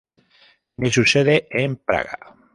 Tiene su sede en Praga.